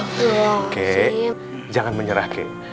kakek jangan menyerah kakek